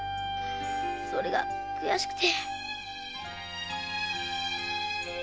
それが悔しくて。